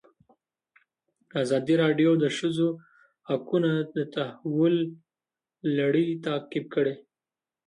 ازادي راډیو د د ښځو حقونه د تحول لړۍ تعقیب کړې.